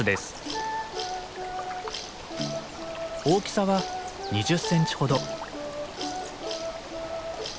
大きさは２０センチほど。